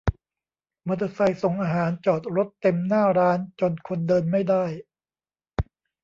มอเตอร์ไซค์ส่งอาหารจอดรถเต็มหน้าร้าน จนคนเดินไม่ได้